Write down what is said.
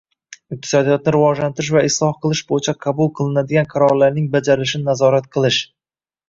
iqtisodiyotni rivojlantirish va isloh qilish bo`yicha qabul qilinadigan qarorlarning bajarilishini nazorat qilish;